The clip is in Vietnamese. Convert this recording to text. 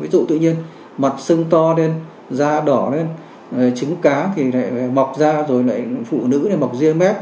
ví dụ tự nhiên mặt xưng to lên da đỏ lên trứng cá thì mọc da rồi lại phụ nữ này mọc riêng mét